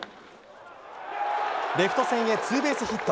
レフト線へツーベースヒット。